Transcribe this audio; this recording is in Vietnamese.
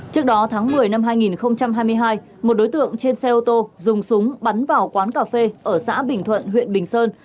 trước đó tháng một mươi năm hai nghìn hai mươi hai một đối tượng trên xe ô tô dùng súng bắn vào quán cà phê ở xã bình thuận huyện bình sơn